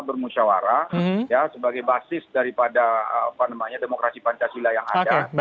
bermusyawara sebagai basis daripada demokrasi pancasila yang ada